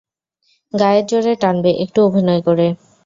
গায়ের জোরে টানবে, একটু অভিনয় করে।